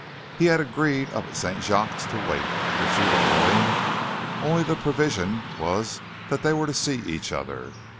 He had agreed up at St. Jacques to wait, if she were willing. Only the provision was that they were to see each other.